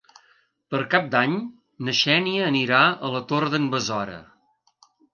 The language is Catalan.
Per Cap d'Any na Xènia anirà a la Torre d'en Besora.